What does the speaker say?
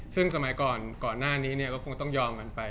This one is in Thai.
ซึ่งสมัยก่อนก่อนหน้านี้ก็คงต้องยอมกันไป